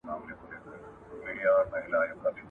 د زورور له څنگه مه کښېنه زړه وره.